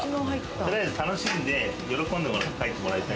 とりあえず楽しんで喜んでもらって帰ってもらいたい。